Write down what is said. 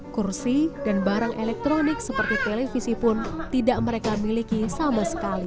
kursi dan barang elektronik seperti televisi pun tidak mereka miliki sama sekali